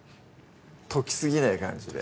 溶きすぎない感じで